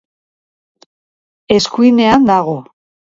Eskuinean dago.